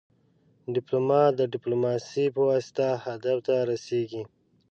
ډيپلومات د ډيپلوماسي پواسطه هدف ته رسیږي.